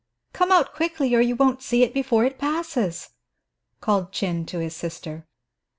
come out quickly, or you won't see it before it passes," called Chin to his sister.